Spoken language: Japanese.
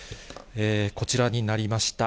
こちらになりました。